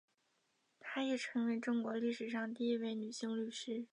她也成为中国历史上第一位女性律师。